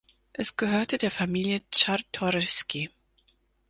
Es gehörte der Familie Czartoryski.